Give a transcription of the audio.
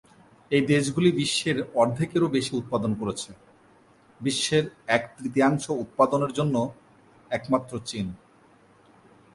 এই দেশগুলি বিশ্বের অর্ধেকেরও বেশি উৎপাদন করেছে; বিশ্বের এক তৃতীয়াংশ উৎপাদনের জন্য একমাত্র চীন।